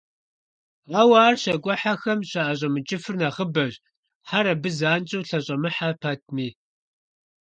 Ауэ ар щакIуэхьэхэм щаIэщIэмыкIыфыр нэхъыбэщ, хьэр абы занщIэу лъэщIэмыхьэ пэтми.